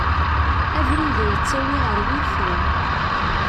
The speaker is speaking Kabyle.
Abrid-a yettawi ɣer wurti.